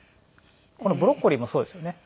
このブロッコリーもそうですよね。